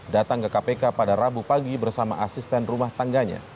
datang ke kpk pada rabu pagi bersama asisten rumah tangganya